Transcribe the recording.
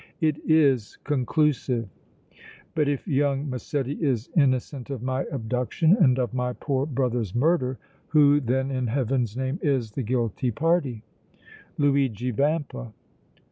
"It is conclusive!" "But if young Massetti is innocent of my abduction and of my poor brother's murder, who then, in Heaven's name, is the guilty party?" "Luigi Vampa!"